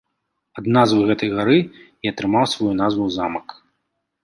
Ад назвы гэтай гары і атрымаў сваю назву замак.